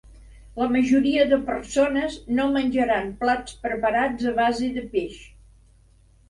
La majoria de persones no menjaran plats preparats a base de peix.